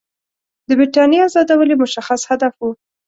د برټانیې آزادول یې مشخص هدف وو.